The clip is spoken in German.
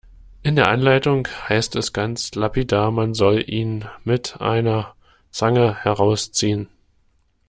In der Anleitung heißt es ganz lapidar, man soll ihn mit einer Zange herausziehen.